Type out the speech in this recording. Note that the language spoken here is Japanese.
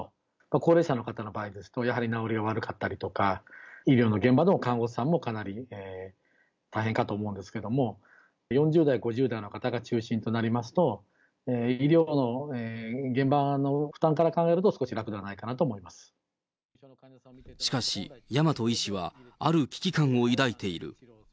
高齢者の方の場合ですと、やはり治りが悪かったりとか、医療の現場でも看護師さんもかなり大変かと思うんですけども、４０代、５０代の方が中心となりますと、医療の現場の負担から考えると、しかし、倭医師はある危機感を抱いている。